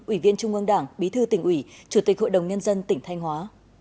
ủy viên trung ương đảng bí thư tỉnh ủy chủ tịch hội đồng nhân dân tỉnh thanh hóa